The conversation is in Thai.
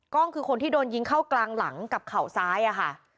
คือคนที่โดนยิงเข้ากลางหลังกับเข่าซ้ายอะค่ะ